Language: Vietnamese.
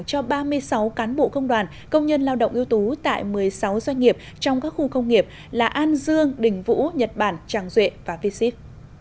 cho ba mươi sáu cán bộ công đoàn công nhân lao động yếu tố tại một mươi sáu doanh nghiệp trong các khu công nghiệp là an dương đình vũ nhật bản tràng duệ và v sip